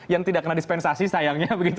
yang tidak kena dispensasi sayangnya begitu